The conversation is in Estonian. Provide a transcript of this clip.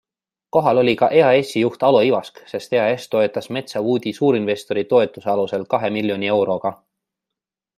Kohal oli ka EAS-i juht Alo Ivask, sest EAS toetas Metsä Woodi suurinvstori toetuse alusel kahe miljoni euroga.